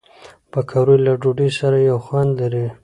پکورې له ډوډۍ سره یو خوند لري